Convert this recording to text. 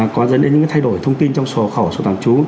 có dẫn đến những thay đổi thông tin trong sổ khẩu sổ tạm trú